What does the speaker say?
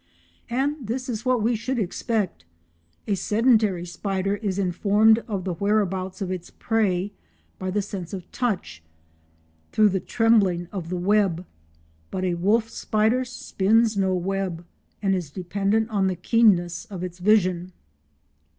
And this is what we should expect. A sedentary spider is informed of the whereabouts of its prey by the sense of touch, through the trembling of the web, but a wolf spider spins no web and is dependent on the keenness of its vision.